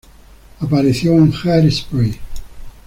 Apareció en "Hairspray".